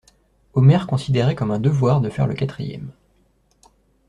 Omer considérait comme un devoir de faire le quatrième.